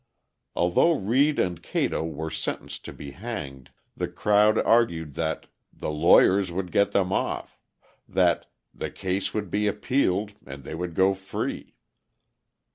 Although Reed and Cato were sentenced to be hanged, the crowd argued that "the lawyers would get them off," that "the case would be appealed, and they would go free."